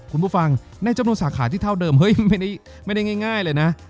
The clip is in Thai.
คุณผู้ฟังในจำนวนสาขาที่เท่าเดิมเฮ้ยไม่ได้ง่ายเลยนะ